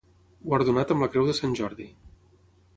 Guardonat amb la Creu de Sant Jordi.